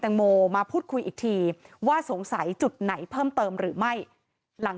แตงโมมาพูดคุยอีกทีว่าสงสัยจุดไหนเพิ่มเติมหรือไม่หลัง